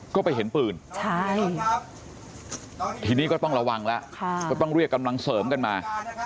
ก็ไปเห็นปืนใช่ทีนี้ก็ต้องระวังแล้วก็ต้องเรียกกำลังเสริมกันมา